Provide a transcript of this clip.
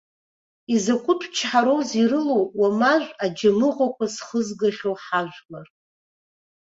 Изакәытә чҳароузеи ирылоу уамажә аџьамыӷәақәа зхызгахьоу ҳажәлар!